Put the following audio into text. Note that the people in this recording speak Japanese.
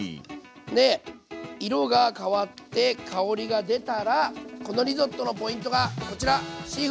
で色が変わって香りが出たらこのリゾットのポイントがこちら。